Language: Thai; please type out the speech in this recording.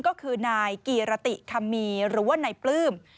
ก็คือนายกีรติคัมมีหรือว่านายปลื้ม